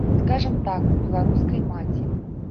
Скажам так, беларускай маці.